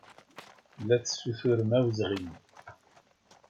La tessuturem awezɣi.